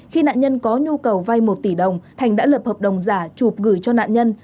khi nạn nhân có nhu cầu vay một tỷ đồng thành đã lập hợp đồng giả chụp gửi cho nạn nhân